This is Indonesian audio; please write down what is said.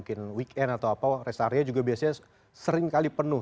tapi pada saat mungkin weekend atau apa res area juga biasanya seringkali penuh